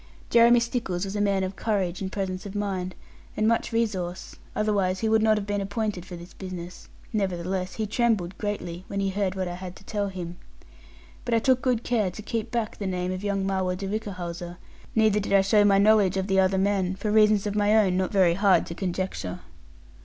Jeremy Stickles was a man of courage, and presence of mind, and much resource: otherwise he would not have been appointed for this business; nevertheless he trembled greatly when he heard what I had to tell him. But I took good care to keep back the name of young Marwood de Whichehalse; neither did I show my knowledge of the other men; for reasons of my own not very hard to conjecture.